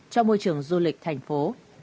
cho môi trường du lịch thành phố